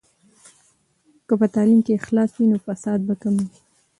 که په تعلیم کې اخلاص وي، نو فساد به کم وي.